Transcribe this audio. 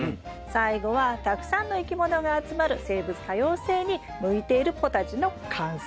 最後はたくさんの生き物が集まる生物多様性に向いているポタジェの完成。